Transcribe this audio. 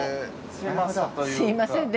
すいませんね